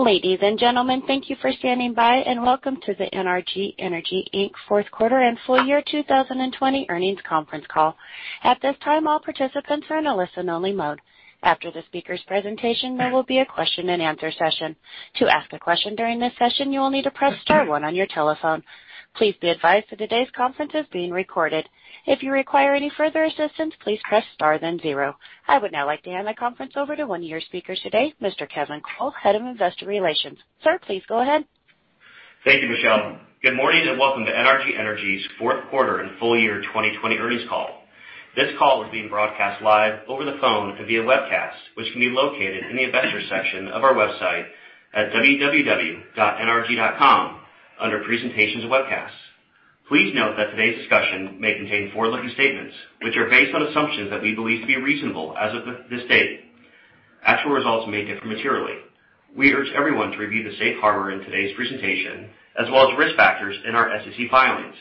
Ladies and gentlemen, thank you for standing by, and welcome to the NRG Energy, Inc fourth quarter and full year 2020 earnings conference call. At this time, all participants are in a listen-only mode. After the speaker's presentation, there will be a question-and-answer session. To ask a question during this session, you will need to press star one on your telephone. Please be advised that today's conference is being recorded. If you require any further assistance, please press star then zero. I would now like to hand the conference over to one of your speakers today, Mr. Kevin Cole, Head of Investor Relations. Sir, please go ahead. Thank you, Michelle. Good morning, and welcome to NRG Energy's fourth quarter and full year 2020 earnings call. This call is being broadcast live over the phone and via webcast, which can be located in the Investors section of our website at www.nrg.com under Presentations and Webcasts. Please note that today's discussion may contain forward-looking statements, which are based on assumptions that we believe to be reasonable as of this date. Actual results may differ materially. We urge everyone to review the safe harbor in today's presentation, as well as risk factors in our SEC filings,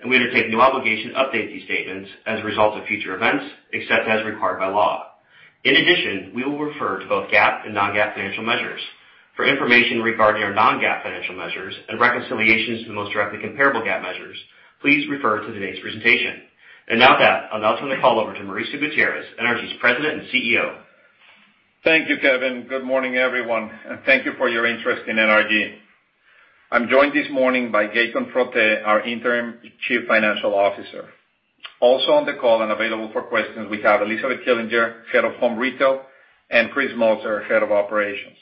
and we undertake no obligation to update these statements as a result of future events, except as required by law. In addition, we will refer to both GAAP and non-GAAP financial measures. For information regarding our non-GAAP financial measures and reconciliations to the most directly comparable GAAP measures, please refer to today's presentation. Now with that, I'll now turn the call over to Mauricio Gutierrez, NRG's President and CEO. Thank you, Kevin. Good morning, everyone, and thank you for your interest in NRG. I'm joined this morning by Gaetan Frotte, our interim Chief Financial Officer. Also on the call and available for questions, we have Elizabeth Killinger, Head of Home Retail, and Chris Moser, Head of Operations.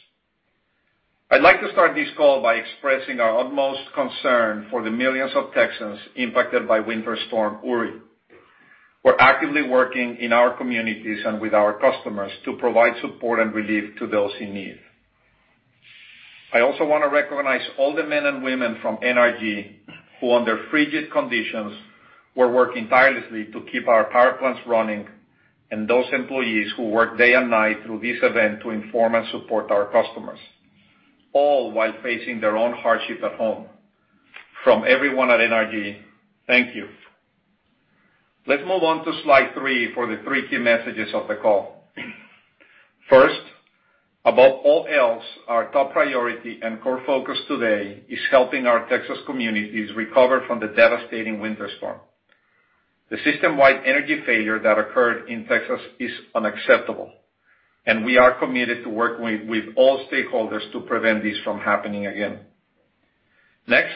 I'd like to start this call by expressing our utmost concern for the millions of Texans impacted by Winter Storm Uri. We're actively working in our communities and with our customers to provide support and relief to those in need. I also want to recognize all the men and women from NRG who, under frigid conditions, were working tirelessly to keep our power plants running, and those employees who worked day and night through this event to inform and support our customers, all while facing their own hardships at home. From everyone at NRG, thank you. Let's move on to slide three for the three key messages of the call. First, above all else, our top priority and core focus today is helping our Texas communities recover from the devastating winter storm. The system-wide energy failure that occurred in Texas is unacceptable, and we are committed to working with all stakeholders to prevent this from happening again. Next,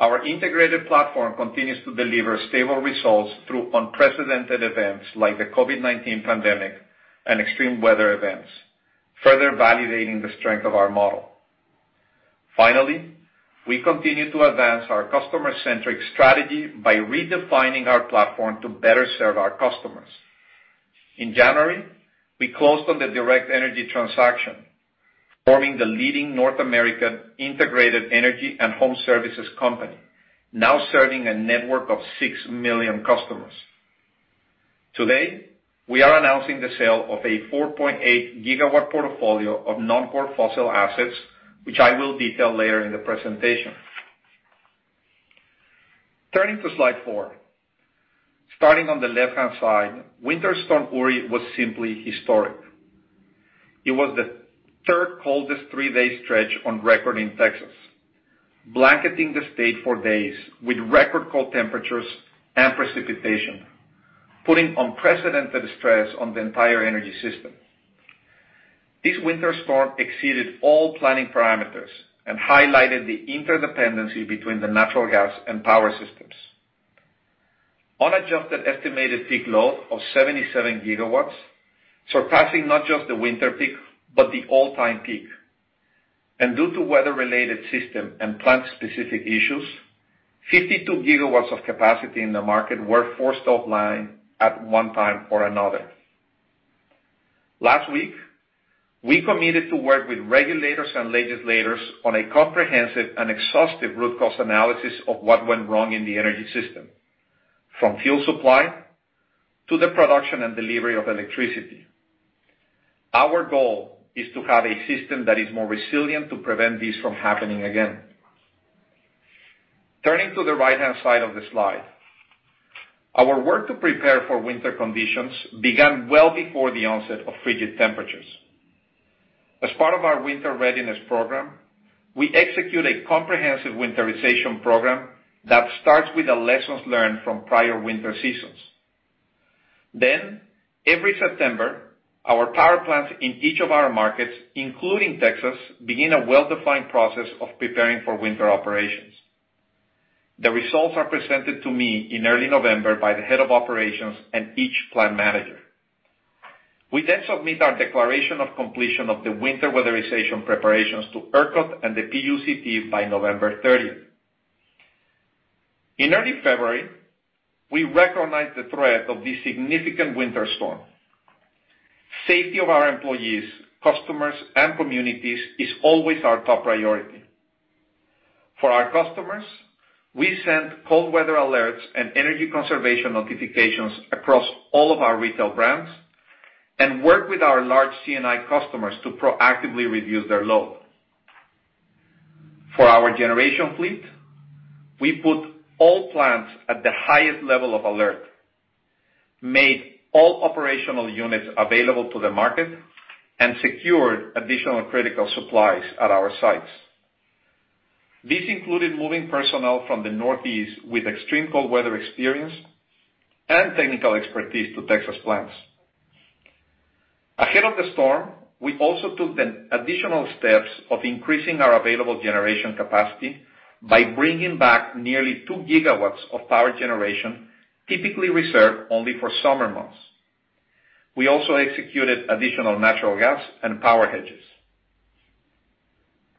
our integrated platform continues to deliver stable results through unprecedented events like the COVID-19 pandemic and extreme weather events, further validating the strength of our model. Finally, we continue to advance our customer-centric strategy by redefining our platform to better serve our customers. In January, we closed on the Direct Energy transaction, forming the leading North American integrated energy and home services company, now serving a network of 6 million customers. Today, we are announcing the sale of a 4.8 GW portfolio of non-core fossil assets, which I will detail later in the presentation. Turning to slide four. Starting on the left-hand side, Winter Storm Uri was simply historic. It was the third coldest three-day stretch on record in Texas, blanketing the state for days with record cold temperatures and precipitation, putting unprecedented stress on the entire energy system. This winter storm exceeded all planning parameters and highlighted the interdependency between the natural gas and power systems. On adjusted estimated peak load of 77 GW, surpassing not just the winter peak, but the all-time peak. Due to weather-related system and plant-specific issues, 52 GW of capacity in the market were forced offline at one time or another. Last week, we committed to work with regulators and legislators on a comprehensive and exhaustive root cause analysis of what went wrong in the energy system, from fuel supply to the production and delivery of electricity. Our goal is to have a system that is more resilient to prevent this from happening again. Turning to the right-hand side of the slide. Our work to prepare for winter conditions began well before the onset of frigid temperatures. As part of our winter readiness program, we execute a comprehensive winterization program that starts with the lessons learned from prior winter seasons. Every September, our power plants in each of our markets, including Texas, begin a well-defined process of preparing for winter operations. The results are presented to me in early November by the Head of Operations and each plant manager. We submit our declaration of completion of the winter weatherization preparations to ERCOT and the PUCT by November 30th. In early February, we recognized the threat of this significant winter storm. Safety of our employees, customers, and communities is always our top priority. For our customers, we sent cold weather alerts and energy conservation notifications across all of our retail brands and worked with our large C&I customers to proactively reduce their load. For our generation fleet, we put all plants at the highest level of alert, made all operational units available to the market, and secured additional critical supplies at our sites. This included moving personnel from the Northeast with extreme cold weather experience and technical expertise to Texas plants. Ahead of the storm, we also took the additional steps of increasing our available generation capacity by bringing back nearly 2 GW of power generation typically reserved only for summer months. We also executed additional natural gas and power hedges.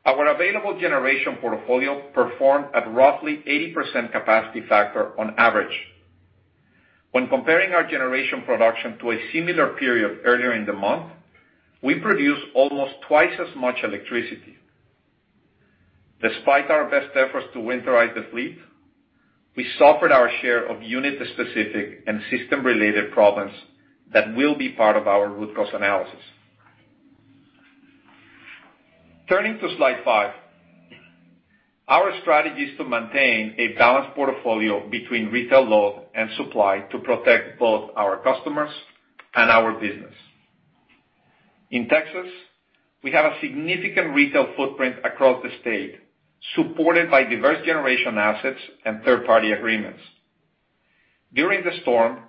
Our available generation portfolio performed at roughly 80% capacity factor on average. When comparing our generation production to a similar period earlier in the month, we produced almost twice as much electricity. Despite our best efforts to winterize the fleet, we suffered our share of unit-specific and system-related problems that will be part of our root cause analysis. Turning to slide five. Our strategy is to maintain a balanced portfolio between retail load and supply to protect both our customers and our business. In Texas, we have a significant retail footprint across the state, supported by diverse generation assets and third-party agreements. During the storm,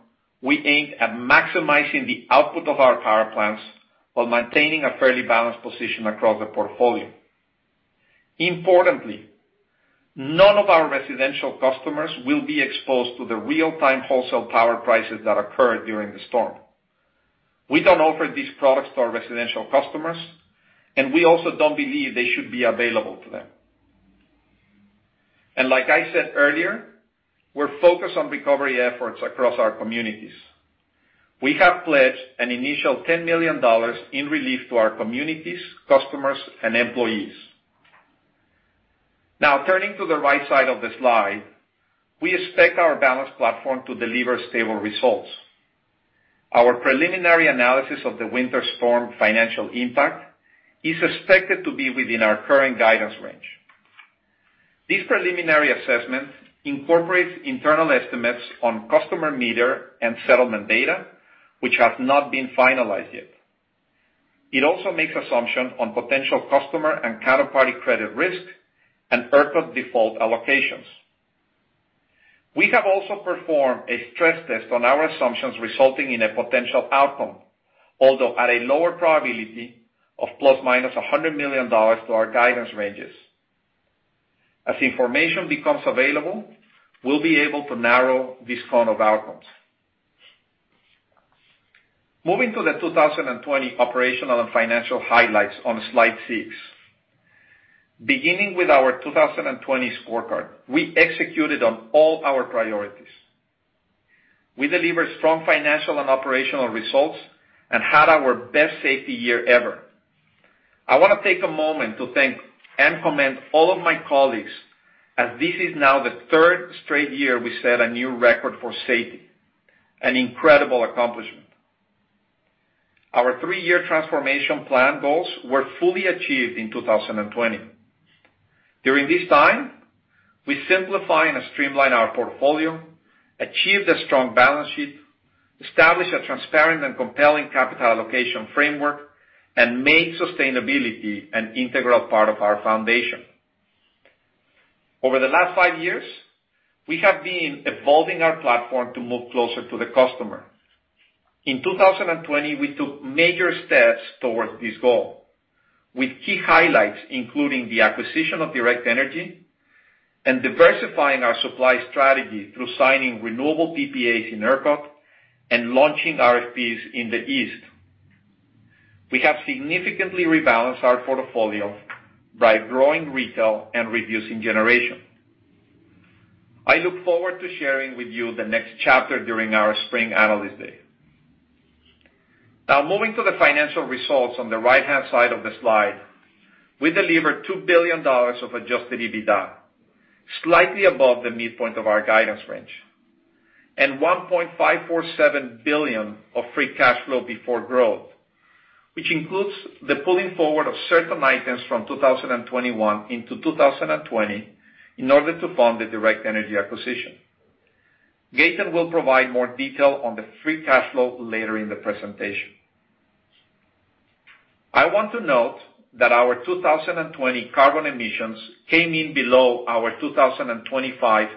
we aimed at maximizing the output of our power plants while maintaining a fairly balanced position across the portfolio. Importantly, none of our residential customers will be exposed to the real-time wholesale power prices that occurred during the storm. We don't offer these products to our residential customers, and we also don't believe they should be available to them. Like I said earlier, we're focused on recovery efforts across our communities. We have pledged an initial $10 million in relief to our communities, customers, and employees. Now turning to the right side of the slide. We expect our balanced platform to deliver stable results. Our preliminary analysis of the winter storm financial impact is expected to be within our current guidance range. This preliminary assessment incorporates internal estimates on customer meter and settlement data, which has not been finalized yet. It also makes assumption on potential customer and counterparty credit risk and ERCOT default allocations. We have also performed a stress test on our assumptions resulting in a potential outcome, although at a lower probability of ±$100 million to our guidance ranges. As information becomes available, we'll be able to narrow this cone of outcomes. Moving to the 2020 operational and financial highlights on slide six. Beginning with our 2020 scorecard, we executed on all our priorities. We delivered strong financial and operational results and had our best safety year ever. I want to take a moment to thank and commend all of my colleagues as this is now the third straight year we set a new record for safety. An incredible accomplishment. Our three-year transformation plan goals were fully achieved in 2020. During this time, we simplified and streamlined our portfolio, achieved a strong balance sheet, established a transparent and compelling capital allocation framework, and made sustainability an integral part of our foundation. Over the last five years, we have been evolving our platform to move closer to the customer. In 2020, we took major steps towards this goal, with key highlights, including the acquisition of Direct Energy and diversifying our supply strategy through signing renewable PPAs in ERCOT and launching RFPs in the East. We have significantly rebalanced our portfolio by growing retail and reducing generation. I look forward to sharing with you the next chapter during our spring Analyst Day. Now, moving to the financial results on the right-hand side of the slide. We delivered $2 billion of adjusted EBITDA, slightly above the midpoint of our guidance range, and $1.547 billion of free cash flow before growth, which includes the pulling forward of certain items from 2021 into 2020 in order to fund the Direct Energy acquisition. Gaetan will provide more detail on the free cash flow later in the presentation. I want to note that our 2020 carbon emissions came in below our 2025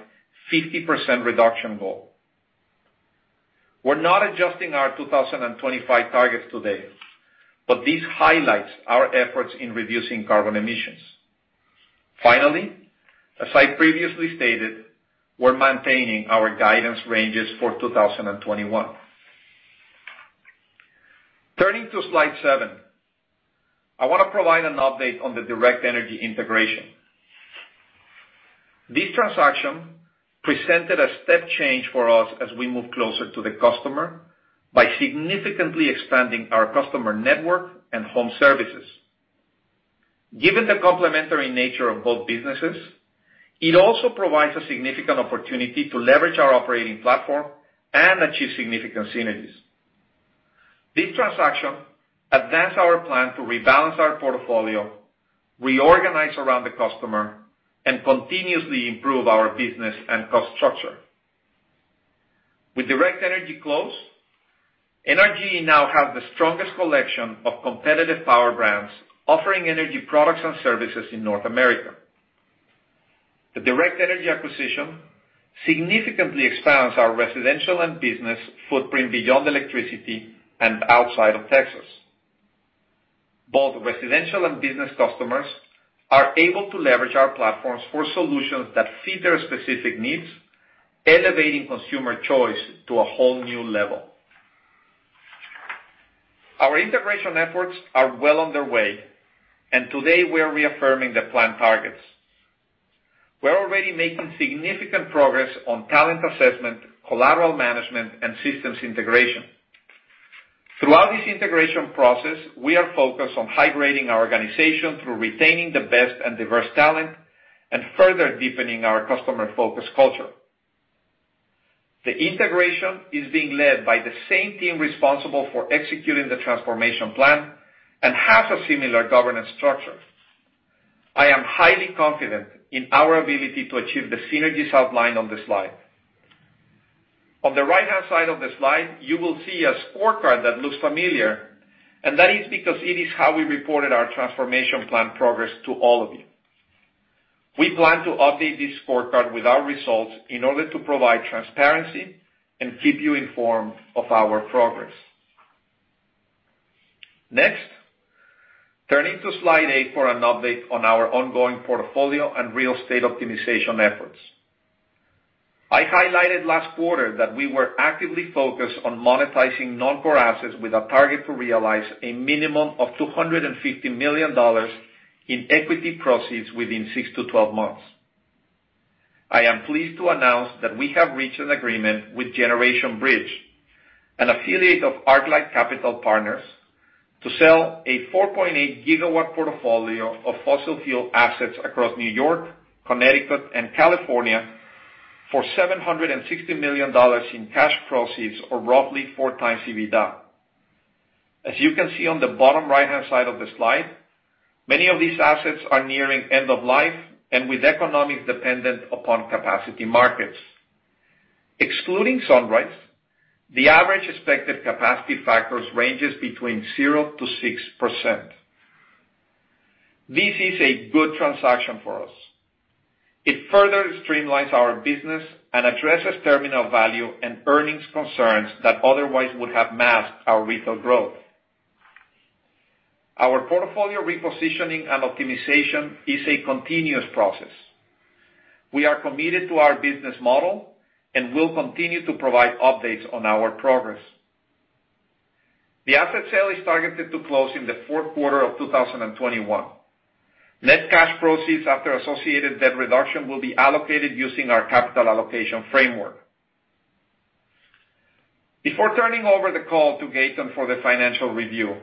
50% reduction goal. We're not adjusting our 2025 targets today, but this highlights our efforts in reducing carbon emissions. Finally, as I previously stated, we're maintaining our guidance ranges for 2021. Turning to slide seven. I want to provide an update on the Direct Energy integration. This transaction presented a step change for us as we move closer to the customer by significantly expanding our customer network and home services. Given the complementary nature of both businesses, it also provides a significant opportunity to leverage our operating platform and achieve significant synergies. This transaction advanced our plan to rebalance our portfolio, reorganize around the customer, and continuously improve our business and cost structure. With Direct Energy close, NRG now have the strongest collection of competitive power brands offering energy products and services in North America. The Direct Energy acquisition significantly expands our residential and business footprint beyond electricity and outside of Texas. Both residential and business customers are able to leverage our platforms for solutions that fit their specific needs, elevating consumer choice to a whole new level. Our integration efforts are well on their way, and today we are reaffirming the plan targets. We're already making significant progress on talent assessment, collateral management, and systems integration. Throughout this integration process, we are focused on high-grading our organization through retaining the best and diverse talent and further deepening our customer-focused culture. The integration is being led by the same team responsible for executing the transformation plan and has a similar governance structure. I am highly confident in our ability to achieve the synergies outlined on the slide. On the right-hand side of the slide, you will see a scorecard that looks familiar, and that is because it is how we reported our transformation plan progress to all of you. We plan to update this scorecard with our results in order to provide transparency and keep you informed of our progress. Next, turning to slide eight for an update on our ongoing portfolio and real estate optimization efforts. I highlighted last quarter that we were actively focused on monetizing non-core assets with a target to realize a minimum of $250 million in equity proceeds within 6-12 months. I am pleased to announce that we have reached an agreement with Generation Bridge, an affiliate of ArcLight Capital Partners, to sell a 4.8 GW portfolio of fossil fuel assets across New York, Connecticut, and California for $760 million in cash proceeds, or roughly 4x EBITDA. As you can see on the bottom right-hand side of the slide, many of these assets are nearing end of life and with economics dependent upon capacity markets. Excluding Sunrise, the average expected capacity factors ranges between 0%-6%. This is a good transaction for us. It further streamlines our business and addresses terminal value and earnings concerns that otherwise would have masked our retail growth. Our portfolio repositioning and optimization is a continuous process. We are committed to our business model and will continue to provide updates on our progress. The asset sale is targeted to close in the fourth quarter of 2021. Net cash proceeds after associated debt reduction will be allocated using our capital allocation framework. Before turning over the call to Gaetan for the financial review,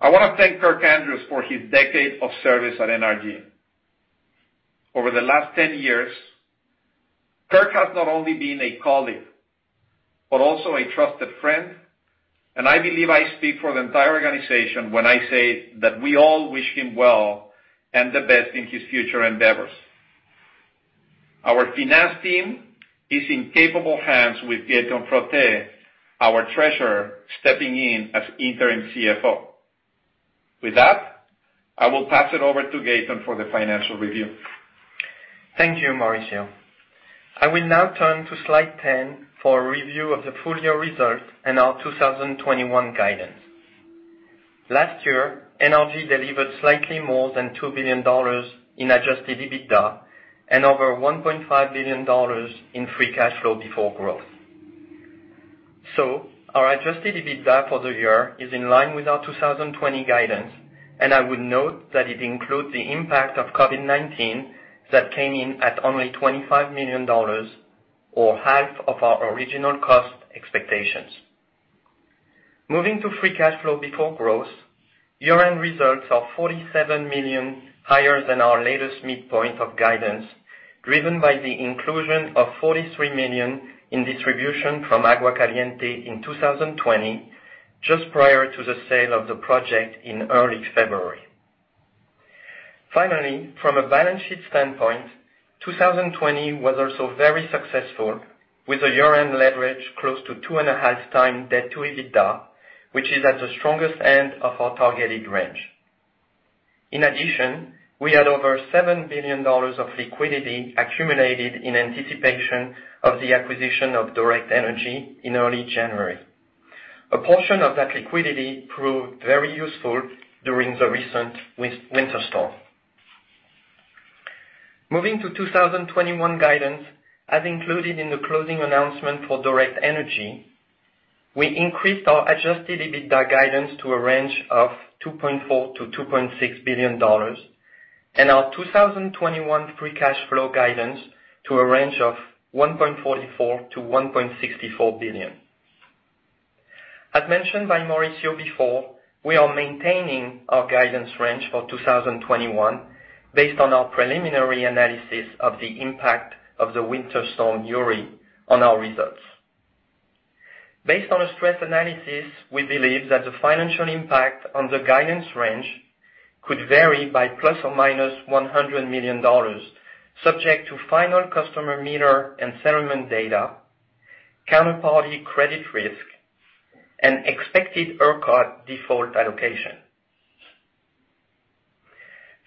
I want to thank Kirk Andrews for his decades of service at NRG. Over the last 10 years, Kirk has not only been a colleague, but also a trusted friend, and I believe I speak for the entire organization when I say that we all wish him well and the best in his future endeavors. Our finance team is in capable hands with Gaetan Frotte, our Treasurer, stepping in as interim CFO. With that, I will pass it over to Gaetan for the financial review. Thank you, Mauricio. I will now turn to slide 10 for a review of the full-year results and our 2021 guidance. Last year, NRG delivered slightly more than $2 billion in adjusted EBITDA and over $1.5 billion in free cash flow before growth. Our adjusted EBITDA for the year is in line with our 2020 guidance, and I would note that it includes the impact of COVID-19 that came in at only $25 million, or half of our original cost expectations. Moving to free cash flow before growth, year-end results are $47 million higher than our latest midpoint of guidance, driven by the inclusion of $43 million in distribution from Agua Caliente in 2020, just prior to the sale of the project in early February. Finally, from a balance sheet standpoint, 2020 was also very successful with a year-end leverage close to 2.5x debt to EBITDA, which is at the strongest end of our targeted range. In addition, we had over $7 billion of liquidity accumulated in anticipation of the acquisition of Direct Energy in early January. A portion of that liquidity proved very useful during the recent winter storm. Moving to 2021 guidance, as included in the closing announcement for Direct Energy, we increased our adjusted EBITDA guidance to a range of $2.4 billion-$2.6 billion, and our 2021 free cash flow guidance to a range of $1.44 billion-$1.64 billion. As mentioned by Mauricio before, we are maintaining our guidance range for 2021 based on our preliminary analysis of the impact of the Winter Storm Uri on our results. Based on a stress analysis, we believe that the financial impact on the guidance range could vary by ±$100 million, subject to final customer meter and settlement data, counterparty credit risk, and expected ERCOT default allocation.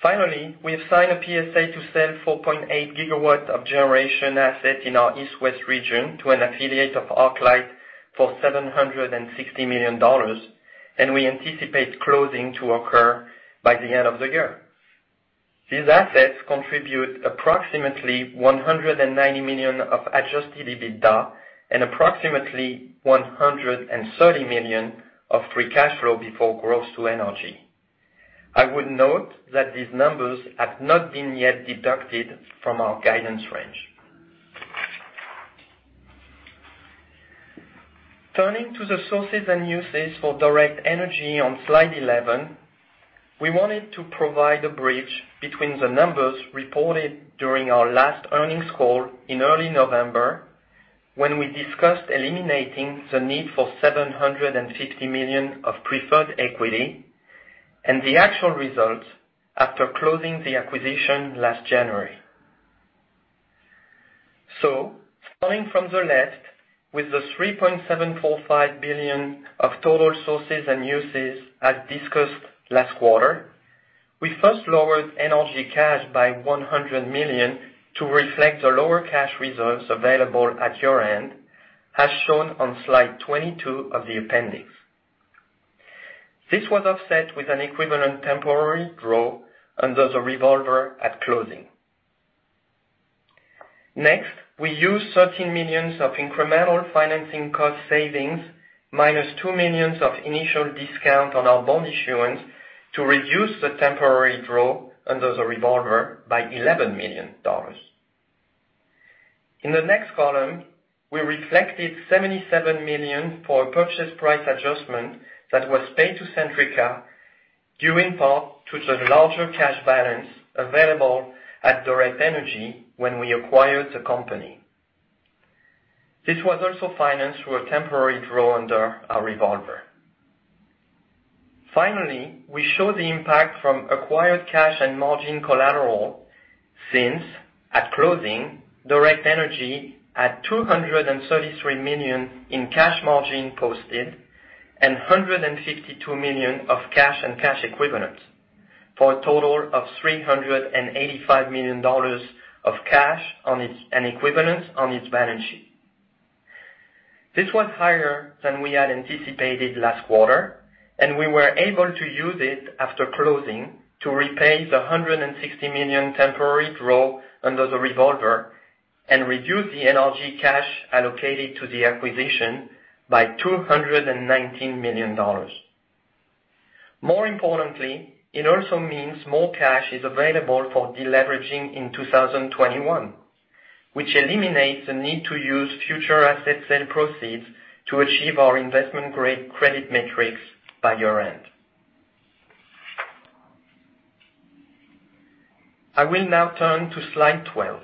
Finally, we have signed a PSA to sell 4.8 GW of generation assets in our East/West region to an affiliate of ArcLight for $760 million, and we anticipate closing to occur by the end of the year. These assets contribute approximately $190 million of adjusted EBITDA and approximately $130 million of free cash flow before growth to NRG. I would note that these numbers have not been yet deducted from our guidance range. Turning to the sources and uses for Direct Energy on slide 11, we wanted to provide a bridge between the numbers reported during our last earnings call in early November, when we discussed eliminating the need for $750 million of preferred equity, and the actual results after closing the acquisition last January. Starting from the left, with the $3.745 billion of total sources and uses as discussed last quarter, we first lowered NRG cash by $100 million to reflect the lower cash reserves available at year-end, as shown on slide 22 of the appendix. This was offset with an equivalent temporary draw under the revolver at closing. Next, we used $13 million of incremental financing cost savings, -$2 million of initial discount on our bond issuance to reduce the temporary draw under the revolver by $11 million. In the next column, we reflected $77 million for a purchase price adjustment that was paid to Centrica, due in part to the larger cash balance available at Direct Energy when we acquired the company. This was also financed through a temporary draw under our revolver. Finally, we show the impact from acquired cash and margin collateral since, at closing, Direct Energy had $233 million in cash margin posted and $152 million of cash and cash equivalents, for a total of $385 million of cash and equivalents on its balance sheet. This was higher than we had anticipated last quarter, and we were able to use it after closing to repay the $160 million temporary draw under the revolver and reduce the NRG cash allocated to the acquisition by $219 million. More importantly, it also means more cash is available for deleveraging in 2021, which eliminates the need to use future asset sale proceeds to achieve our investment-grade credit metrics by year-end. I will now turn to slide 12,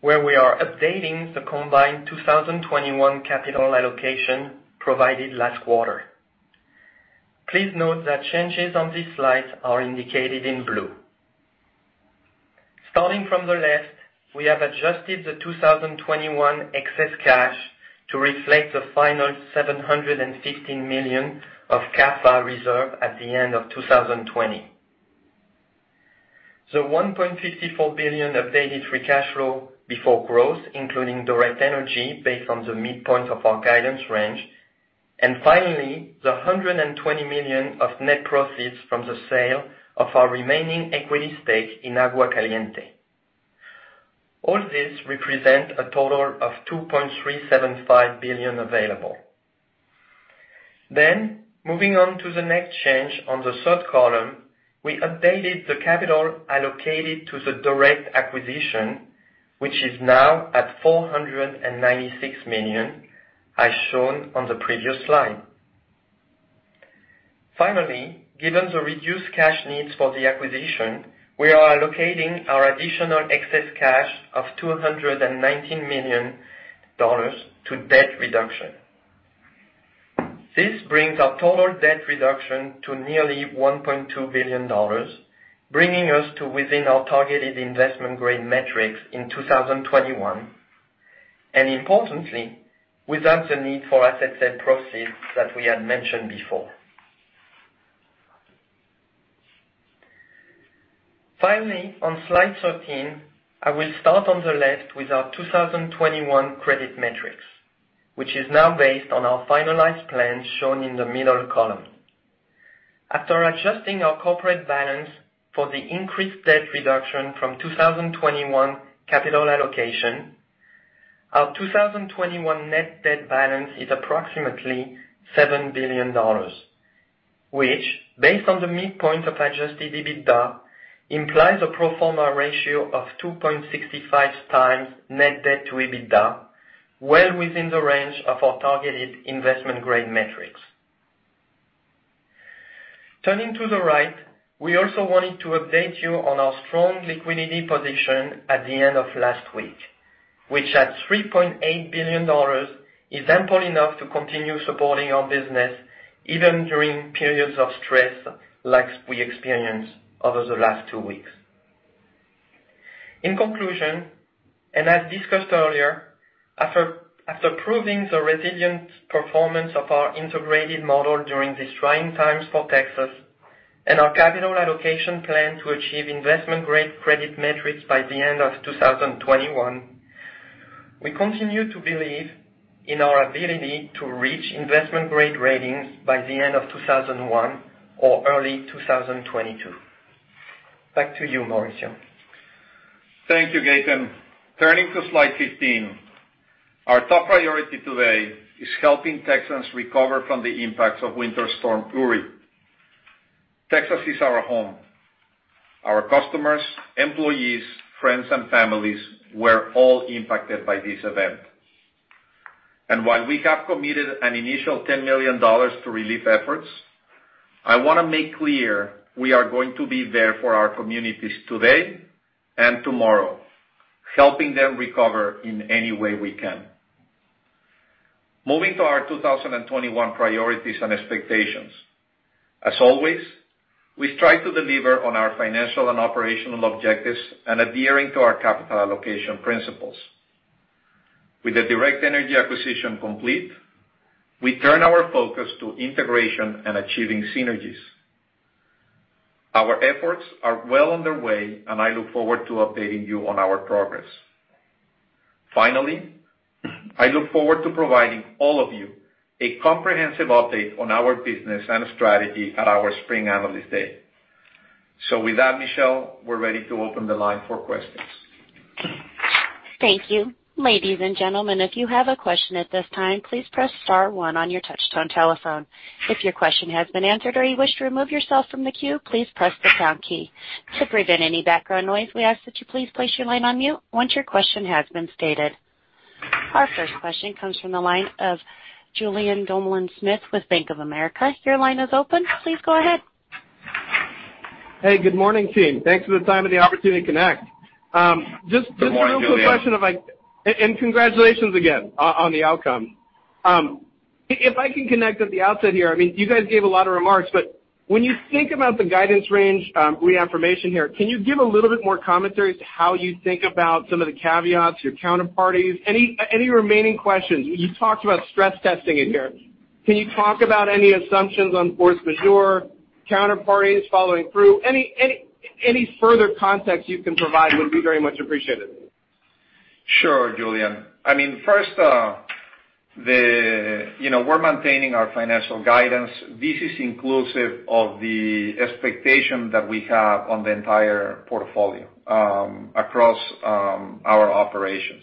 where we are updating the combined 2021 capital allocation provided last quarter. Please note that changes on this slide are indicated in blue. Starting from the left, we have adjusted the 2021 excess cash to reflect the final $715 million of CAFA reserve at the end of 2020. The $1.54 billion updated free cash flow before growth, including Direct Energy based on the midpoint of our guidance range. Finally, the $120 million of net proceeds from the sale of our remaining equity stake in Agua Caliente. All this represent a total of $2.375 billion available. Moving on to the next change on the third column, we updated the capital allocated to the Direct acquisition, which is now at $496 million, as shown on the previous slide. Finally, given the reduced cash needs for the acquisition, we are allocating our additional excess cash of $219 million to debt reduction. This brings our total debt reduction to nearly $1.2 billion, bringing us to within our targeted investment-grade metrics in 2021, and importantly, without the need for asset sale proceeds that we had mentioned before. Finally, on slide 13, I will start on the left with our 2021 credit metrics, which is now based on our finalized plan shown in the middle column. After adjusting our corporate balance for the increased debt reduction from 2021 capital allocation, our 2021 net debt balance is approximately $7 billion, which, based on the midpoint of adjusted EBITDA, implies a pro forma ratio of 2.65x net debt to EBITDA, well within the range of our targeted investment-grade metrics. Turning to the right, we also wanted to update you on our strong liquidity position at the end of last week, which at $3.8 billion is ample enough to continue supporting our business even during periods of stress like we experienced over the last two weeks. In conclusion, and as discussed earlier, after proving the resilient performance of our integrated model during these trying times for Texas and our capital allocation plan to achieve investment-grade credit metrics by the end of 2021, we continue to believe in our ability to reach investment-grade ratings by the end of 2021 or early 2022. Back to you, Mauricio. Thank you, Gaetan. Turning to slide 15. Our top priority today is helping Texans recover from the impacts of Winter Storm Uri. Texas is our home. Our customers, employees, friends, and families were all impacted by this event. While we have committed an initial $10 million to relief efforts, I want to make clear we are going to be there for our communities today and tomorrow, helping them recover in any way we can. Moving to our 2021 priorities and expectations. As always, we strive to deliver on our financial and operational objectives and adhering to our capital allocation principles. With the Direct Energy acquisition complete, we turn our focus to integration and achieving synergies. Our efforts are well underway, and I look forward to updating you on our progress. Finally, I look forward to providing all of you a comprehensive update on our business and strategy at our spring Analyst Day. With that, Michelle, we're ready to open the line for questions. Thank you. Ladies and gentlemen, if you have a question at this time, please press star one on your touch-tone telephone. If your question has been answered or you wish to remove yourself from the queue, please press the pound key. To prevent any background noise, we ask that you please place your line on mute once your question has been stated. Our first question comes from the line of Julien Dumoulin-Smith with Bank of America. Your line is open. Please go ahead. Hey, good morning, team. Thanks for the time and the opportunity to connect. Good morning, Julien. Congratulations again on the outcome. If I can connect at the outset here. You guys gave a lot of remarks, but when you think about the guidance range reaffirmation here, can you give a little bit more commentary as to how you think about some of the caveats, your counterparties? Any remaining questions. You talked about stress testing it here. Can you talk about any assumptions on force majeure, counterparties following through? Any further context you can provide would be very much appreciated. Sure, Julien. First, we're maintaining our financial guidance. This is inclusive of the expectation that we have on the entire portfolio across our operations.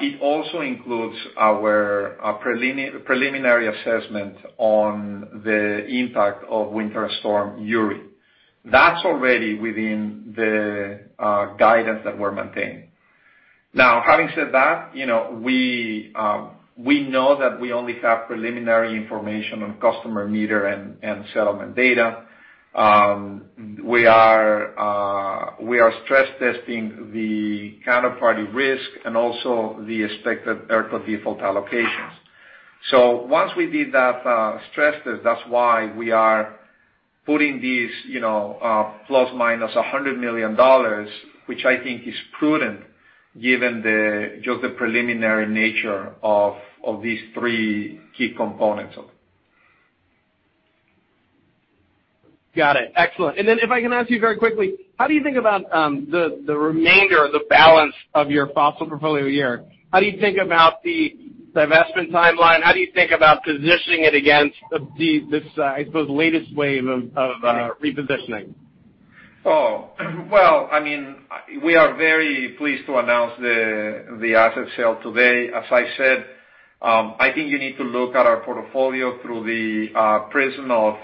It also includes our preliminary assessment on the impact of Winter Storm Uri. That's already within the guidance that we're maintaining. Having said that, we know that we only have preliminary information on customer meter and settlement data. We are stress testing the counterparty risk and also the expected ERCOT default allocations. Once we did that stress test, that's why we are putting these ±$100 million, which I think is prudent given just the preliminary nature of these three key components of it. Got it. Excellent. Then if I can ask you very quickly, how do you think about the remainder of the balance of your fossil portfolio here? How do you think about the divestment timeline? How do you think about positioning it against this, I suppose, latest wave of repositioning? Well, we are very pleased to announce the asset sale today. As I said, I think you need to look at our portfolio through the prism of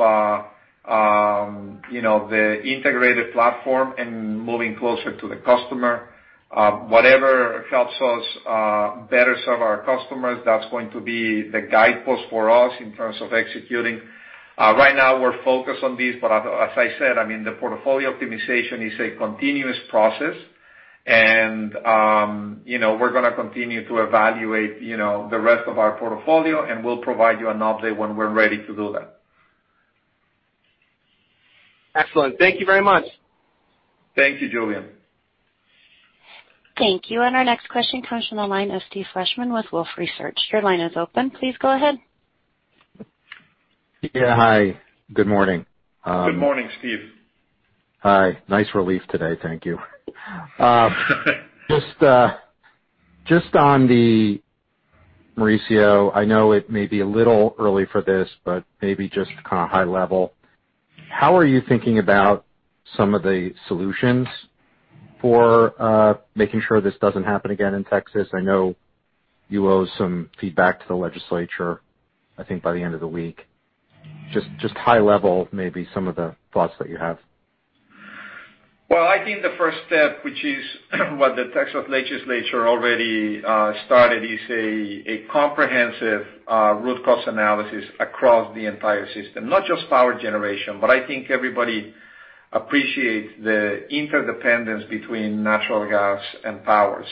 the integrated platform and moving closer to the customer. Whatever helps us better serve our customers, that's going to be the guidepost for us in terms of executing. Right now we're focused on this, but as I said, the portfolio optimization is a continuous process and we're going to continue to evaluate the rest of our portfolio, and we'll provide you an update when we're ready to do that. Excellent. Thank you very much. Thank you, Julien. Thank you. Our next question comes from the line of Steve Fleishman with Wolfe Research. Your line is open. Please go ahead. Yeah, hi. Good morning. Good morning, Steve. Hi. Nice relief today. Thank you. Just on the, Mauricio, I know it may be a little early for this, but maybe just kind of high level, how are you thinking about some of the solutions for making sure this doesn't happen again in Texas? I know you owe some feedback to the legislature, I think, by the end of the week. Just high level, maybe some of the thoughts that you have. Well, I think the first step, which is what the Texas legislature already started, is a comprehensive root cause analysis across the entire system. Not just power generation, but I think everybody appreciates the interdependence between natural gas and power.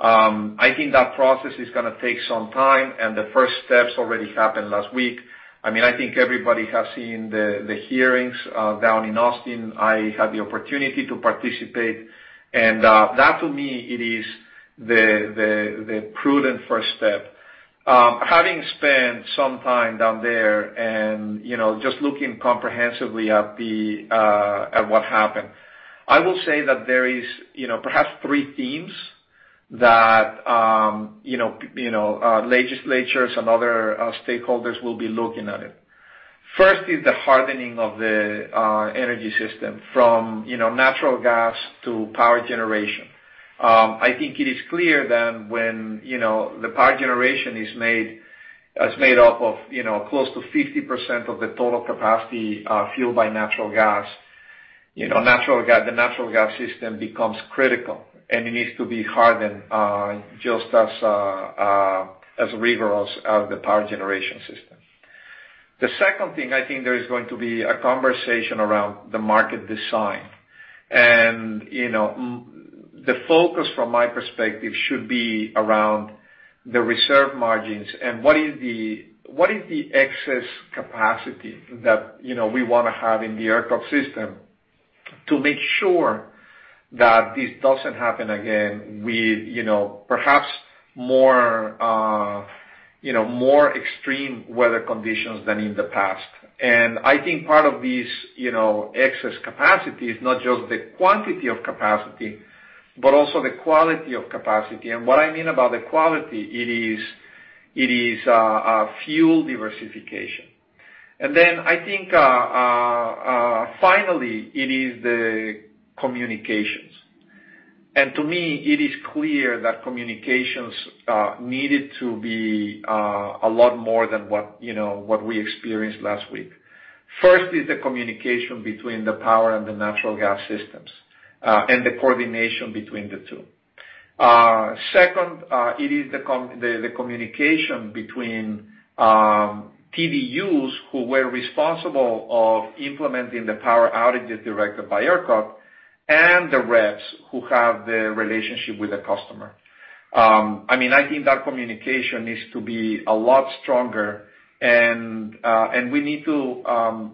I think that process is going to take some time, and the first steps already happened last week. I think everybody has seen the hearings down in Austin. I had the opportunity to participate. That, to me, it is the prudent first step. Having spent some time down there and just looking comprehensively at what happened, I will say that there is perhaps three themes that legislatures and other stakeholders will be looking at it. First is the hardening of the energy system from natural gas to power generation. I think it is clear that when the power generation is made up of close to 50% of the total capacity fueled by natural gas, the natural gas system becomes critical, and it needs to be hardened just as rigorous as the power generation system. The second thing, I think there is going to be a conversation around the market design. The focus from my perspective should be around the reserve margins and what is the excess capacity that we want to have in the ERCOT system to make sure that this doesn't happen again with perhaps more extreme weather conditions than in the past. I think part of this excess capacity is not just the quantity of capacity, but also the quality of capacity. What I mean about the quality, it is fuel diversification. Then I think, finally, it is the communications. To me, it is clear that communications needed to be a lot more than what we experienced last week. First is the communication between the power and the natural gas systems, and the coordination between the two. Second, it is the communication between TDUs who were responsible of implementing the power outages directed by ERCOT and the REPs who have the relationship with the customer. I think that communication needs to be a lot stronger and we need to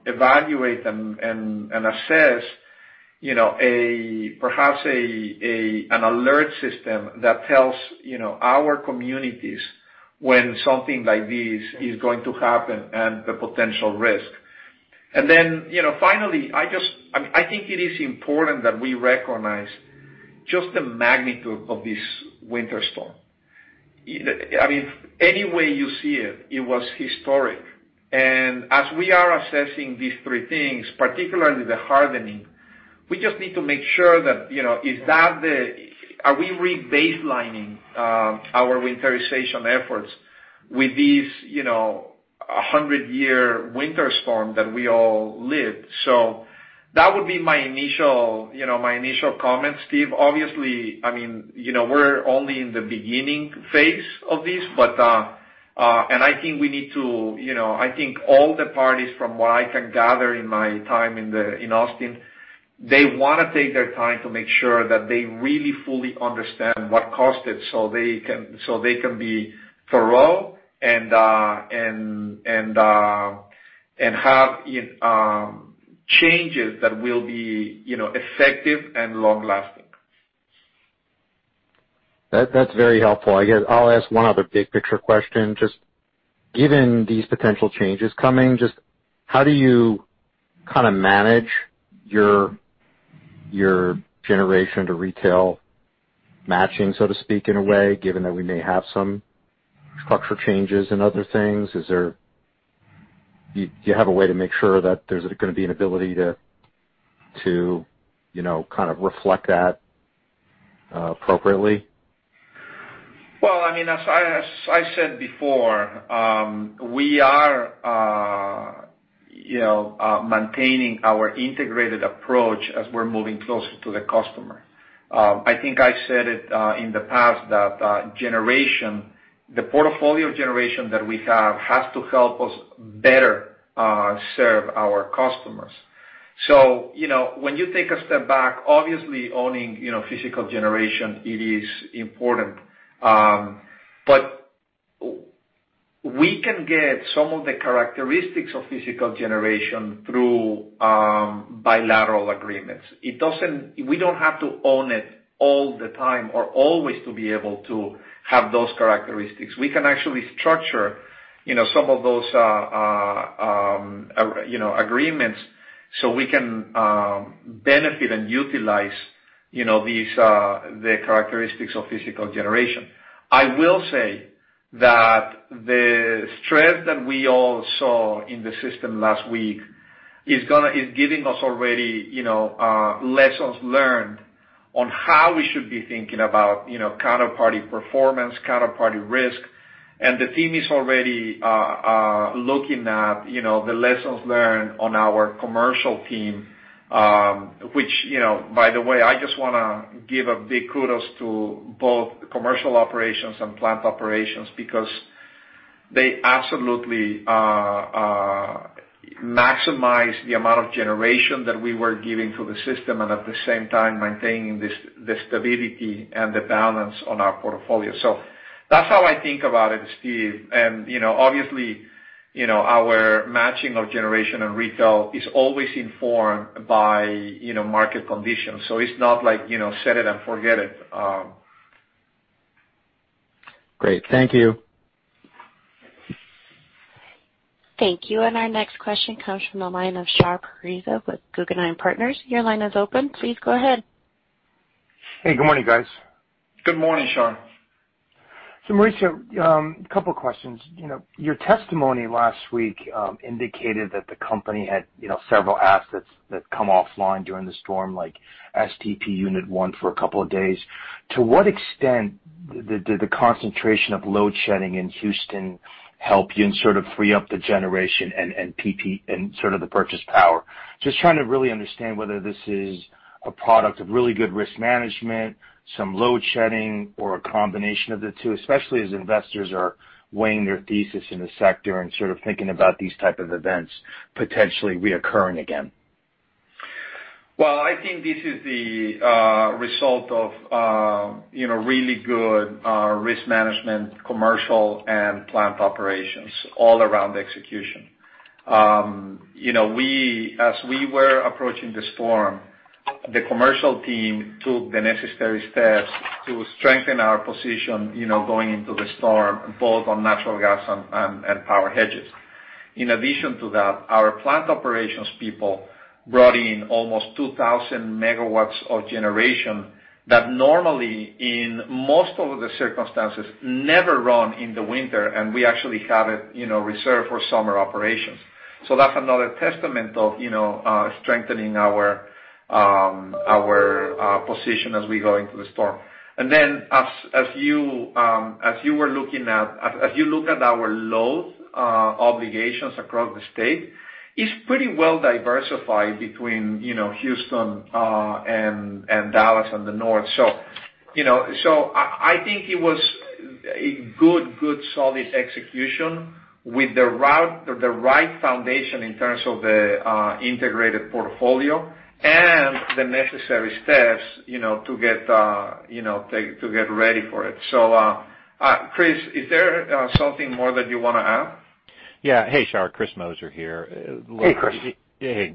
evaluate them and assess perhaps an alert system that tells our communities when something like this is going to happen and the potential risk. Finally, I think it is important that we recognize just the magnitude of this winter storm. Any way you see it, it was historic. As we are assessing these three things, particularly the hardening, we just need to make sure that are we re-baselining our winterization efforts with this 100-year winter storm that we all lived? That would be my initial comment, Steve. Obviously, we're only in the beginning phase of this. I think all the parties, from what I can gather in my time in Austin, they want to take their time to make sure that they really fully understand what caused it so they can be thorough and have changes that will be effective and long-lasting. That's very helpful. I guess I'll ask one other big-picture question. Just given these potential changes coming, just how do you kind of manage your generation to retail matching, so to speak, in a way, given that we may have some structural changes and other things? Do you have a way to make sure that there's going to be an ability to kind of reflect that appropriately? Well, as I said before, we are maintaining our integrated approach as we're moving closer to the customer. I think I said it in the past that the portfolio generation that we have has to help us better serve our customers. When you take a step back, obviously owning physical generation, it is important. We can get some of the characteristics of physical generation through bilateral agreements. We don't have to own it all the time or always to be able to have those characteristics. We can actually structure some of those agreements so we can benefit and utilize the characteristics of physical generation. I will say that the stress that we all saw in the system last week is giving us already lessons learned on how we should be thinking about counterparty performance, counterparty risk. The team is already looking at the lessons learned on our commercial team which, by the way, I just want to give a big kudos to both commercial operations and plant operations because they absolutely maximize the amount of generation that we were giving to the system, and at the same time maintaining the stability and the balance on our portfolio. That's how I think about it, Steve. Obviously, our matching of generation and retail is always informed by market conditions. It's not like set it and forget it. Great. Thank you. Thank you. Our next question comes from the line of Shar Pourreza with Guggenheim Partners. Your line is open. Please go ahead. Hey, good morning, guys. Good morning, Shar. Mauricio, a couple of questions. Your testimony last week indicated that the company had several assets that come offline during the storm, like STP Unit 1 for a couple of days. To what extent did the concentration of load shedding in Houston help you and sort of free up the generation and sort of the purchase power? Just trying to really understand whether this is a product of really good risk management, some load shedding, or a combination of the two, especially as investors are weighing their thesis in the sector and sort of thinking about these type of events potentially reoccurring again. Well, I think this is the result of really good risk management, commercial and plant operations all around execution. As we were approaching this storm, the commercial team took the necessary steps to strengthen our position going into the storm, both on natural gas and power hedges. In addition to that, our plant operations people brought in almost 2,000 MW of generation that normally, in most of the circumstances, never run in the winter, and we actually have it reserved for summer operations. That's another testament of strengthening our position as we go into the storm. As you look at our load obligations across the state, it's pretty well diversified between Houston and Dallas and the North. I think it was a good, good solid execution with the right foundation in terms of the integrated portfolio and the necessary steps to get ready for it. Chris, is there something more that you want to add? Yeah. Hey, Shar. Chris Moser here. Hey, Chris. Hey.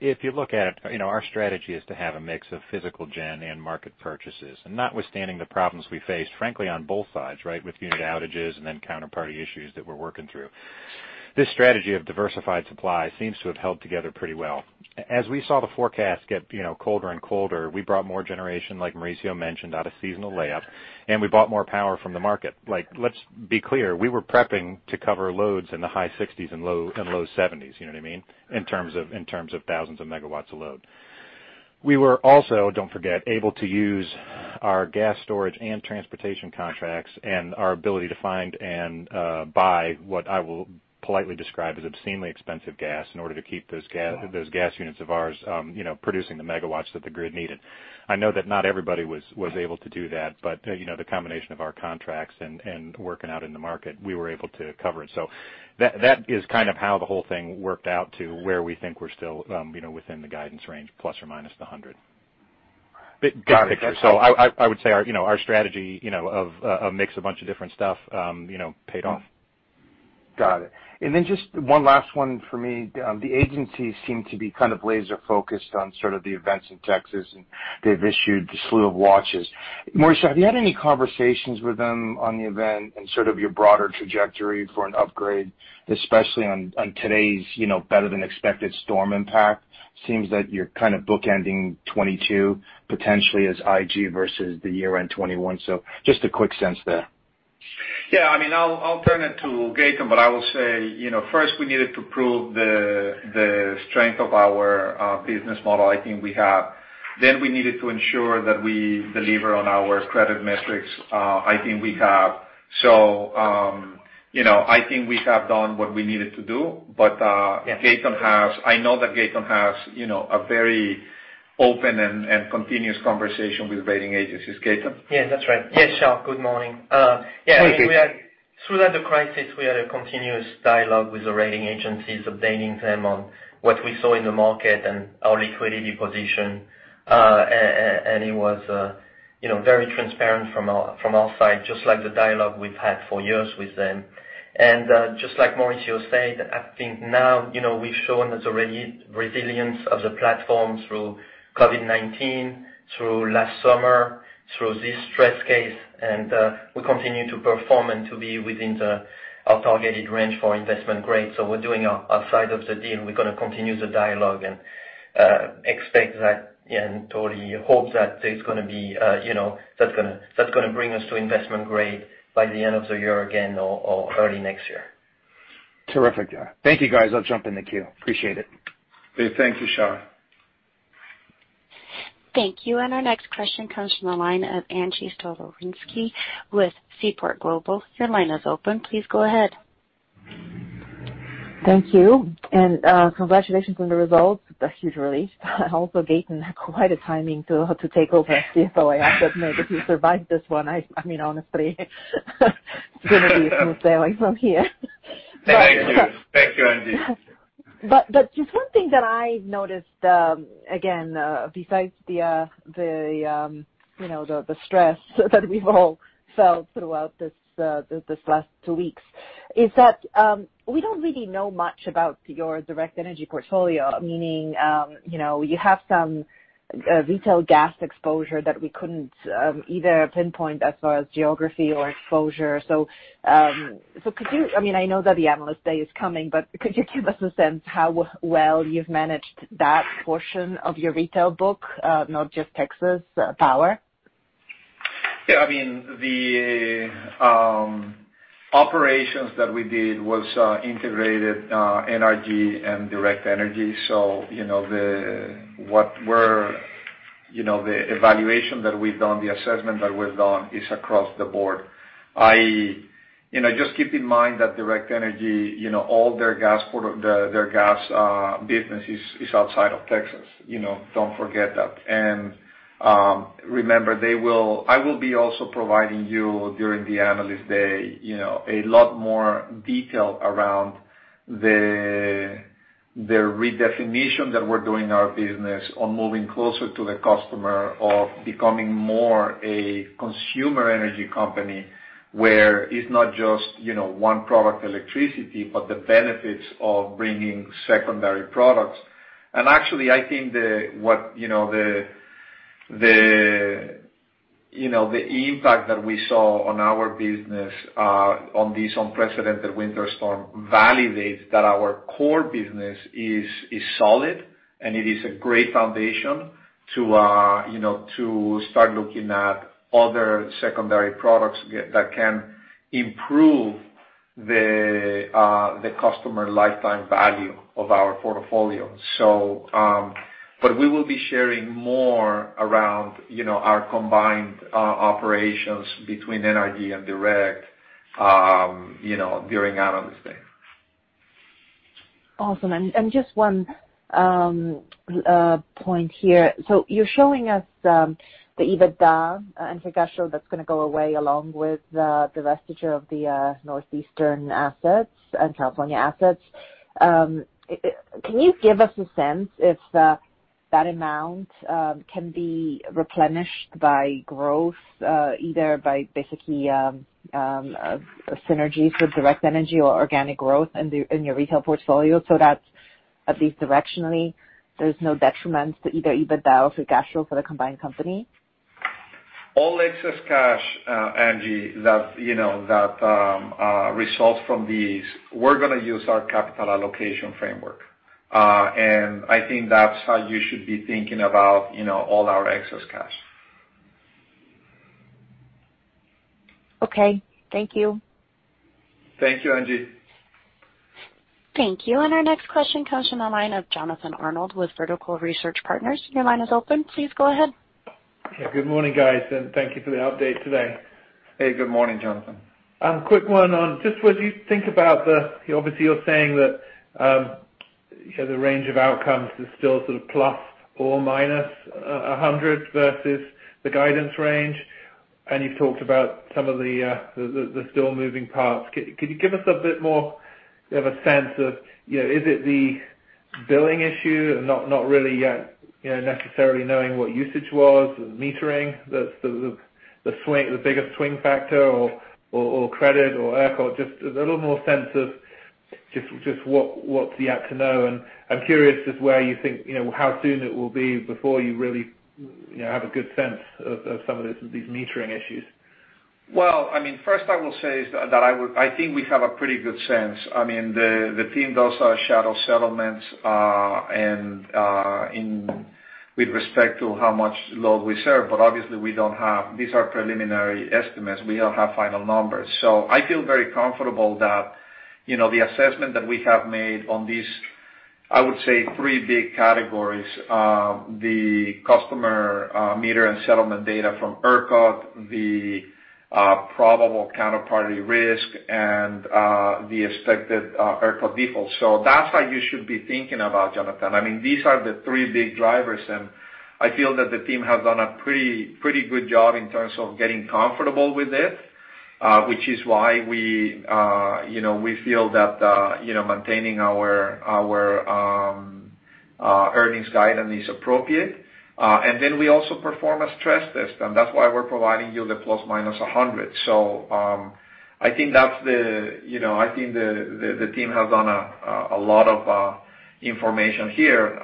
If you look at it, our strategy is to have a mix of physical gen and market purchases. Notwithstanding the problems we faced, frankly, on both sides, right? With unit outages and then counterparty issues that we're working through. This strategy of diversified supply seems to have held together pretty well. As we saw the forecast get colder and colder, we brought more generation, like Mauricio mentioned, out of seasonal layup, and we bought more power from the market. Let's be clear, we were prepping to cover loads in the high 60s and low 70s. You know what I mean, in terms of thousands of megawatts of load. We were also, don't forget, able to use our gas storage and transportation contracts and our ability to find and buy what I will politely describe as obscenely expensive gas in order to keep those gas units of ours producing the megawatts that the grid needed. I know that not everybody was able to do that, but the combination of our contracts and working out in the market, we were able to cover it. That is kind of how the whole thing worked out to where we think we're still within the guidance range, plus or minus the $100 million. Got it. I would say our strategy of mix a bunch of different stuff paid off. Got it. Just one last one for me. The agencies seem to be kind of laser-focused on sort of the events in Texas, and they've issued a slew of watches. Mauricio, have you had any conversations with them on the event and sort of your broader trajectory for an upgrade, especially on today's better than expected storm impact? Seems that you're kind of bookending 2022 potentially as IG versus the year-end 2021. Just a quick sense there. Yeah. I'll turn it to Gaetan, but I will say, first we needed to prove the strength of our business model. I think we have. We needed to ensure that we deliver on our credit metrics. I think we have. I think we have done what we needed to do. I know that Gaetan has a very open and continuous conversation with rating agencies. Gaetan? Yeah, that's right. Yes, Shar, good morning. Morning. Yeah, throughout the crisis, we had a continuous dialogue with the rating agencies, updating them on what we saw in the market and our liquidity position. It was very transparent from our side, just like the dialogue we've had for years with them. Just like Mauricio said, I think now we've shown the resilience of the platform through COVID-19, through last summer, through this stress case, and we continue to perform and to be within our targeted range for investment-grade. We're doing our side of the deal. We're going to continue the dialogue and expect that and totally hope that that's going to bring us to investment-grade by the end of the year again or early next year. Terrific. Thank you, guys. I'll jump in the queue. Appreciate it. Okay. Thank you, Shar. Thank you. Our next question comes from the line of Angie Storozynski with Seaport Global. Your line is open. Please go ahead. Thank you. Congratulations on the results. A huge relief. Also, Gaetan, quite a timing to take over CFO. I have to admit, if you survived this one, honestly, it's going to be smooth sailing from here. Thank you, Angie. Just one thing that I've noticed, again, besides the stress that we've all felt throughout these last two weeks, is that we don't really know much about your Direct Energy portfolio, meaning, you have some retail gas exposure that we couldn't either pinpoint as far as geography or exposure. I know that the Analyst Day is coming, could you give us a sense how well you've managed that portion of your retail book, not just Texas power? Yeah. The operations that we did was integrated NRG and Direct Energy. The evaluation that we've done, the assessment that we've done is across the board. Just keep in mind that Direct Energy, all their gas business is outside of Texas. Don't forget that. Remember, I will be also providing you, during the Analyst Day, a lot more detail around the redefinition that we're doing in our business on moving closer to the customer, of becoming more a consumer energy company, where it's not just one product, electricity, but the benefits of bringing secondary products. And actually, I think the impact that we saw on our business on this unprecedented winter storm validates that our core business is solid, and it is a great foundation to start looking at other secondary products that can improve the customer lifetime value of our portfolio. We will be sharing more around our combined operations between NRG and Direct during Analyst Day. Awesome. Just one point here. You're showing us the EBITDA and free cash flow that's going to go away along with the divestiture of the Northeastern assets and California assets. Can you give us a sense if that amount can be replenished by growth, either by basically synergies with Direct Energy or organic growth in your retail portfolio, so that at least directionally, there's no detriment to either EBITDA or cash flow for the combined company? All excess cash, Angie, that results from these, we're going to use our capital allocation framework. I think that's how you should be thinking about all our excess cash. Okay. Thank you. Thank you, Angie. Thank you. Our next question comes from the line of Jonathan Arnold with Vertical Research Partners. Your line is open. Please go ahead. Yeah. Good morning, guys, and thank you for the update today. Hey, good morning, Jonathan. Quick one on just what you think about obviously, you're saying that you have the range of outcomes is still sort of ±$100 million versus the guidance range. You've talked about some of the still moving parts. Could you give us a bit more of a sense of is it the billing issue and not really yet necessarily knowing what usage was, the metering that's the biggest swing factor or credit or ERCOT? Just a little more sense of just what's yet to know. I'm curious just where you think, how soon it will be before you really have a good sense of some of these metering issues. Well, first I will say is that I think we have a pretty good sense. The team does our shadow settlements with respect to how much load we serve. Obviously, we don't have, these are preliminary estimates, we don't have final numbers. I feel very comfortable that the assessment that we have made on these, I would say, three big categories, the customer meter and settlement data from ERCOT, the probable counterparty risk, and the expected ERCOT default. That's how you should be thinking about it, Jonathan. These are the three big drivers, and I feel that the team has done a pretty good job in terms of getting comfortable with it, which is why we feel that maintaining our earnings guidance is appropriate. Then we also perform a stress test, and that's why we're providing you the ±$100 million. I think the team has done a lot of information here.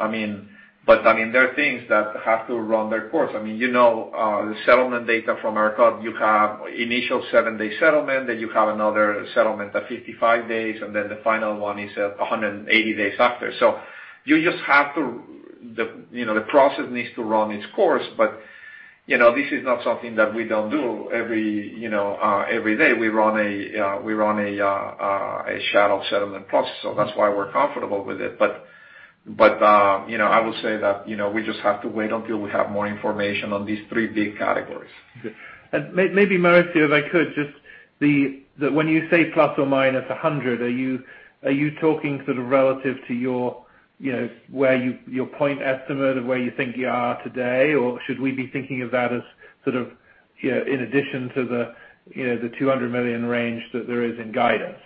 There are things that have to run their course. The settlement data from ERCOT, you have initial seven-day settlement, then you have another settlement at 55 days, and then the final one is at 180 days after. The process needs to run its course. This is not something that we don't do every day. We run a shadow settlement process, so that's why we're comfortable with it. I would say that we just have to wait until we have more information on these three big categories. Good. Maybe, Mauricio, if I could, just when you say ±$100 million, are you talking sort of relative to your point estimate of where you think you are today? Or should we be thinking of that as sort of in addition to the $200 million range that there is in guidance?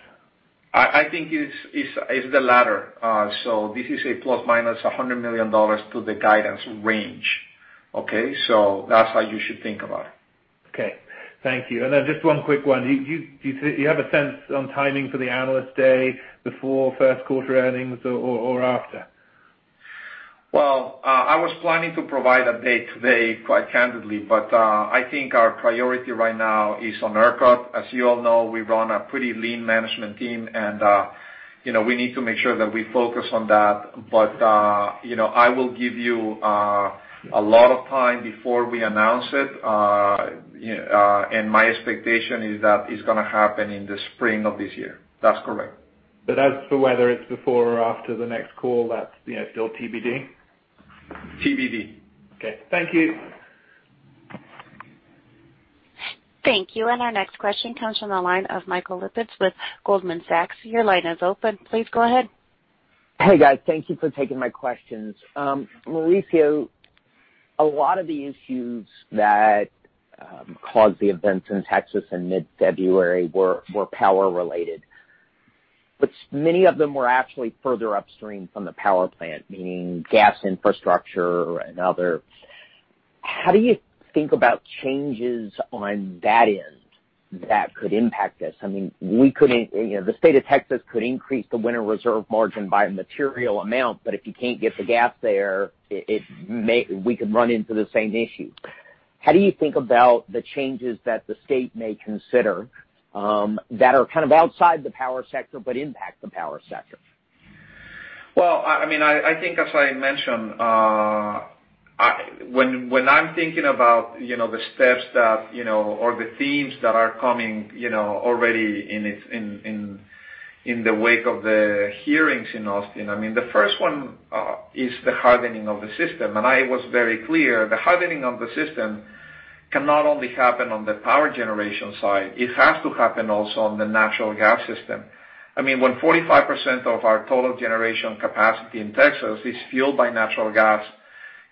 I think it's the latter. This is a plus/minus ±$100 million to the guidance range. Okay? That's how you should think about it. Okay. Thank you. Then just one quick one. Do you have a sense on timing for the Analyst Day before first quarter earnings or after? Well, I was planning to provide a date today, quite candidly, but I think our priority right now is on ERCOT. As you all know, we run a pretty lean management team, and we need to make sure that we focus on that. I will give you a lot of time before we announce it, and my expectation is that it's going to happen in the spring of this year. That's correct. As for whether it's before or after the next call, that's still TBD? TBD. Okay. Thank you. Thank you. Our next question comes from the line of Michael Lapides with Goldman Sachs. Your line is open. Please go ahead. Hey, guys. Thank you for taking my questions. Mauricio, a lot of the issues that caused the events in Texas in mid-February were power-related, but many of them were actually further upstream from the power plant, meaning gas infrastructure and other. How do you think about changes on that end that could impact this? I mean, the state of Texas could increase the winter reserve margin by a material amount, but if you can't get the gas there, we could run into the same issue. How do you think about the changes that the state may consider that are kind of outside the power sector but impact the power sector? Well, I think as I mentioned, when I'm thinking about the steps or the themes that are coming already in the wake of the hearings in Austin, the first one is the hardening of the system. I was very clear, the hardening of the system cannot only happen on the power generation side. It has to happen also on the natural gas system. When 45% of our total generation capacity in Texas is fueled by natural gas,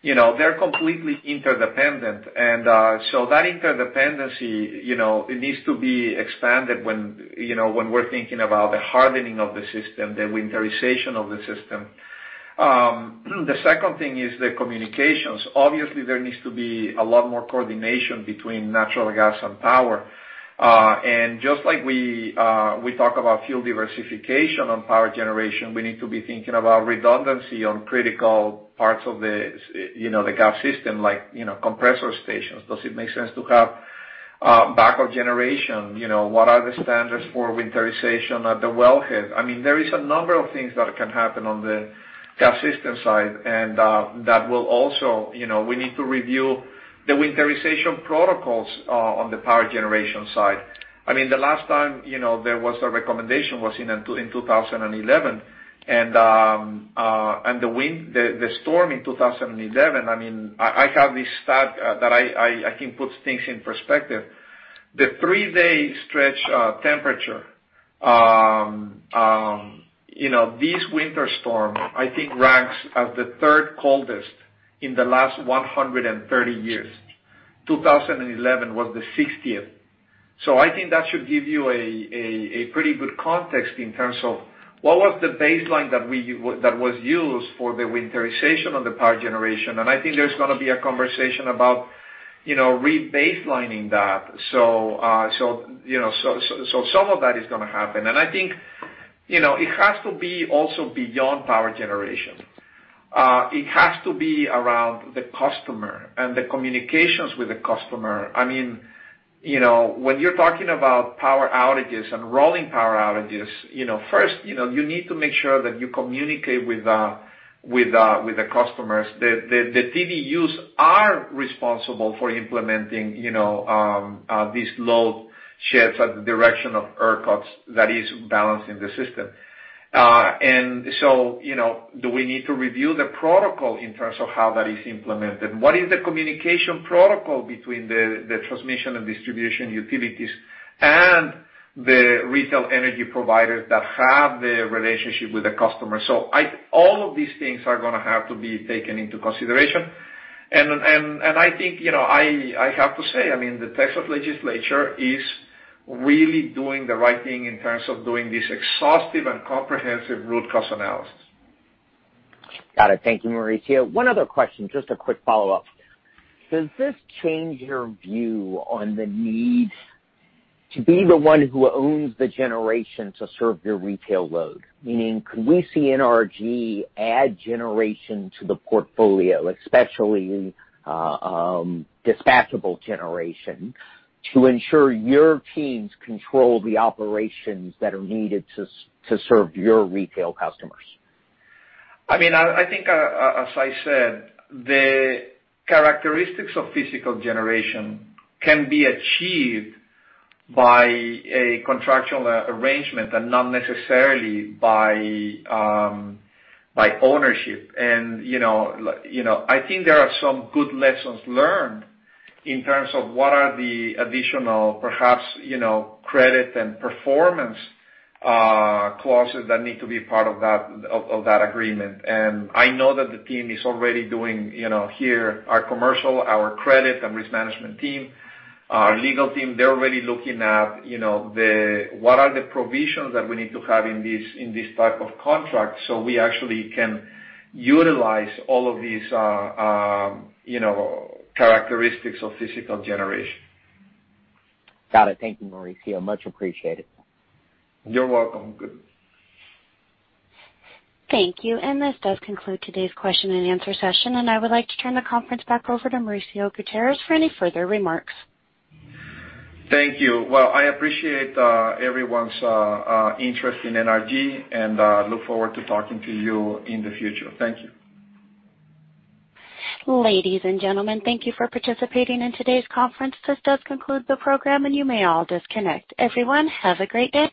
they're completely interdependent. That interdependency needs to be expanded when we're thinking about the hardening of the system, the winterization of the system. The second thing is the communications. Obviously, there needs to be a lot more coordination between natural gas and power. Just like we talk about fuel diversification on power generation, we need to be thinking about redundancy on critical parts of the gas system, like compressor stations. Does it make sense to have backup generation? What are the standards for winterization at the wellhead? There is a number of things that can happen on the gas system side, and that will also, we need to review the winterization protocols on the power generation side. The last time there was a recommendation was in 2011. The storm in 2011, I have this stat that I think puts things in perspective. The three-day stretch temperature this winter storm, I think ranks as the third coldest in the last 130 years. 2011 was the 60th. I think that should give you a pretty good context in terms of what was the baseline that was used for the winterization of the power generation. I think there's going to be a conversation about re-baselining that. Some of that is going to happen. I think it has to be also beyond power generation. It has to be around the customer and the communications with the customer. When you're talking about power outages and rolling power outages, first, you need to make sure that you communicate with the customers. The TDUs are responsible for implementing these load sheds at the direction of ERCOT that is balancing the system. Do we need to review the protocol in terms of how that is implemented? What is the communication protocol between the transmission and distribution utilities and the retail energy providers that have the relationship with the customer? All of these things are going to have to be taken into consideration. I think, I have to say, the Texas Legislature is really doing the right thing in terms of doing this exhaustive and comprehensive root cause analysis. Got it. Thank you, Mauricio. One other question, just a quick follow-up. Does this change your view on the need to be the one who owns the generation to serve your retail load? Meaning, could we see NRG add generation to the portfolio, especially dispatchable generation, to ensure your teams control the operations that are needed to serve your retail customers? I think, as I said, the characteristics of physical generation can be achieved by a contractual arrangement and not necessarily by ownership. I think there are some good lessons learned in terms of what are the additional, perhaps, credit and performance clauses that need to be part of that agreement. I know that the team is already doing here, our commercial, our credit and risk management team, our legal team, they're already looking at what are the provisions that we need to have in this type of contract so we actually can utilize all of these characteristics of physical generation. Got it. Thank you, Mauricio. Much appreciated. You're welcome. Thank you. This does conclude today's question-and-answer session, and I would like to turn the conference back over to Mauricio Gutierrez for any further remarks. Thank you. Well, I appreciate everyone's interest in NRG and look forward to talking to you in the future. Thank you. Ladies and gentlemen, thank you for participating in today's conference. This does conclude the program, and you may all disconnect. Everyone, have a great day.